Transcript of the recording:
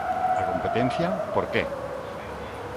A competencia, ¿por que?